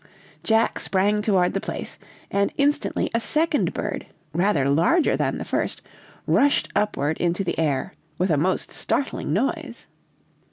"Jack sprang toward the place, and instantly a second bird, rather larger than the first, rushed upward into the air, with a most startling noise.